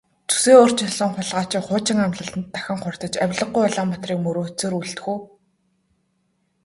Зүсээ өөрчилсөн хулгайч шиг хуучин амлалтад дахин хууртаж авлигагүй Улаанбаатарыг мөрөөдсөөр үлдэх үү?